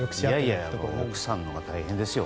いやいや奥さんのほうが大変ですよ。